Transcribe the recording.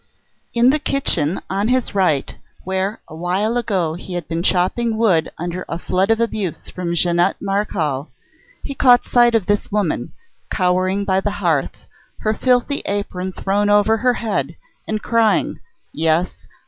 In the kitchen on his right, where awhile ago he had been chopping wood under a flood of abuse from Jeannette Marechal, he caught sight of this woman, cowering by the hearth, her filthy apron thrown over her head, and crying yes!